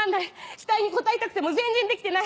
期待に応えたくても全然できてない。